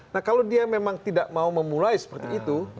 nah kalau dia memang tidak mau memulai seperti itu